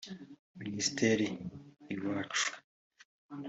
Minisitiri Uwacu